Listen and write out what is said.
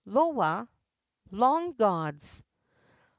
loa (long gods).